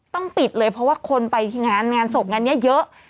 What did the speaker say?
ต้องปิดเลยเพราะว่าคนไปงานงานศพงานนี้เยอะ